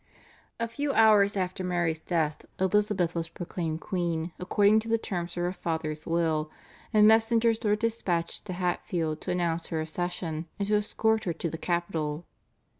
A few hours after Mary's death Elizabeth was proclaimed queen according to the terms of her father's will, and messengers were dispatched to Hatfield to announce her accession and to escort her to the capital.